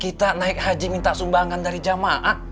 kita naik haji minta sumbangan dari jamaah